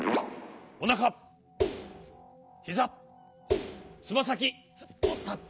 おなかひざつまさきをタッチ。